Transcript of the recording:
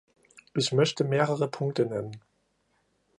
Ich möchte mehrere Punkte nennen.